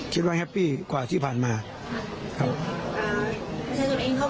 แฮปปี้กว่าที่ผ่านมาครับ